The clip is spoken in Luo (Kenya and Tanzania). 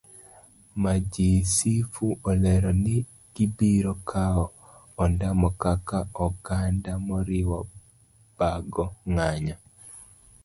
Majisifu olero ni gibiro kawo ondamo kaka oganda moriwo bago ng'anyo